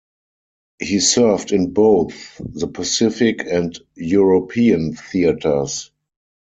He served in both the Pacific and European Theatres.